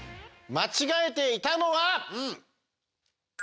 間違えていたのは。